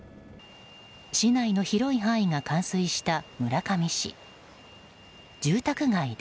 市内の広い範囲が冠水した村上市